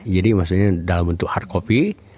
jadi maksudnya dalam bentuk hard copy